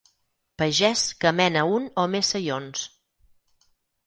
Pagès que mena un o més saions.